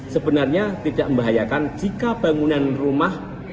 sebenarnya tidak membahayakan jika bangunan rumah